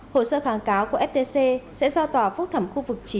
hồ sơ kháng cáo của ftc sẽ do tòa phúc thẩm khu vực chín